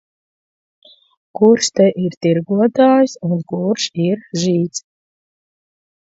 Kurš te ir tirgotājs un kurš ir žīds?